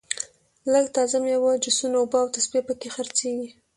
لږه تازه میوه جوسونه اوبه او تسبې په کې خرڅېږي.